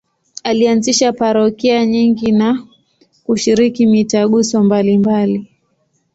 Alianzisha parokia nyingi na kushiriki mitaguso mbalimbali.